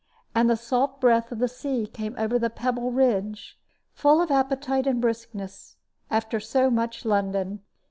And the salt breath of the sea came over the pebble ridge, full of appetite and briskness, after so much London.